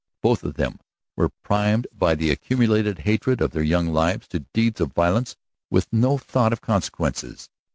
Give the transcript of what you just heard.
Both of them were primed by the accumulated hatred of their young lives to deeds of violence with no thought of consequences.